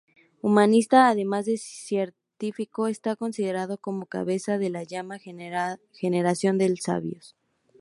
Humanista, además de científico, está considerado como cabeza de la llamada "Generación de Sabios".